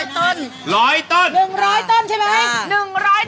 ๑๐๐ต้นใช่ไหม